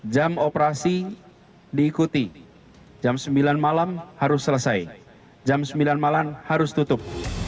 jam operasi diikuti jam sembilan malam harus selesai jam sembilan malam harus tutup